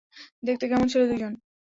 দেখতে কেমন ছিল, দুইজন?